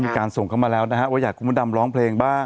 น้ำชาชีวนัทครับผมโพสต์ขอโทษทำเข้าใจผิดหวังคำเวพรเป็นจริงนะครับ